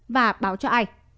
và báo cho ai